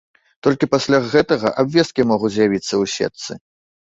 Толькі пасля гэтага абвесткі могуць з'явіцца ў сетцы.